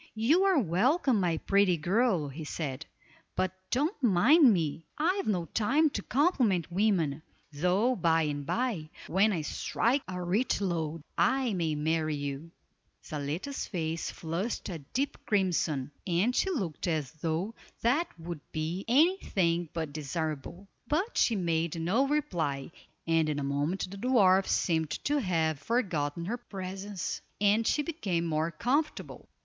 "You are welcome, my pretty girl," he said, "but don't mind me; I've no time to compliment women, though by and by, when I strike a rich lode, I may marry you." Zaletta's face flushed a deep crimson, and she looked as though that would be any thing but desirable; but she made no reply, and in a moment the dwarf seemed to have forgotten her presence, and she became more comfortable.